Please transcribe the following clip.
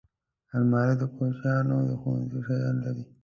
الماري د کوچنیانو د ښوونځي شیان لري